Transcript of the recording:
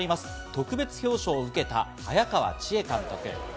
特別表彰を受けた早川千絵監督。